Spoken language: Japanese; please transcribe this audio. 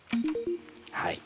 はい。